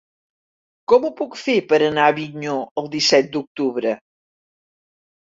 Com ho puc fer per anar a Avinyó el disset d'octubre?